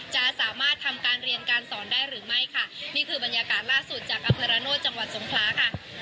จะสามารถทำการเรียนการสอนได้หรือไม่ค่ะนี่คือบรรยากาศล่าสุดจากอำเภอระโนธจังหวัดสงคลาค่ะ